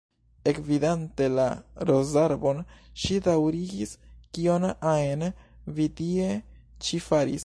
Ekvidante la rozarbon, ŝi daŭrigis: "Kion ajn vi tie ĉi faris?"